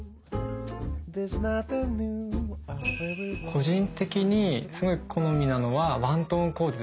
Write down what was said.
個人的にすごい好みなのはワントーンコーデですね。